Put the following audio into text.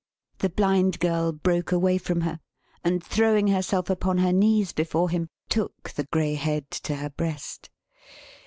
The Blind Girl broke away from her; and throwing herself upon her knees before him, took the grey head to her breast.